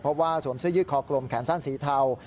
เพราะว่าสวมเสื้อยืดคอกลมแขนสั้นสีเทา